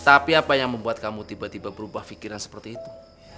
tapi apa yang membuat kamu tiba tiba berubah pikiran seperti itu